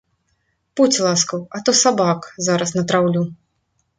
Будзь ласкаў, а то сабак зараз натраўлю.